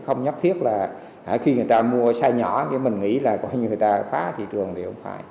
không nhất thiết là khi người ta mua size nhỏ thì mình nghĩ là người ta phá thị trường thì không phải